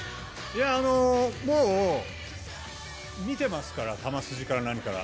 もう見てますから、球すじから何まで。